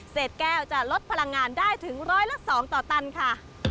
เศษแก้วจะลดพลังงานได้ถึง๑๐๒ต่อตันค่ะ